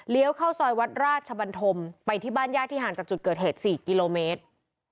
เข้าซอยวัดราชบันทมไปที่บ้านญาติที่ห่างจากจุดเกิดเหตุ๔กิโลเมตร